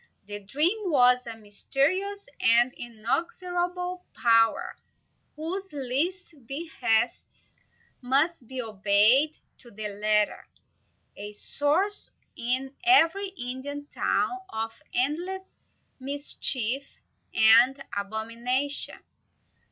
The dream was a mysterious and inexorable power, whose least behests must be obeyed to the letter, a source, in every Indian town, of endless mischief and abomination.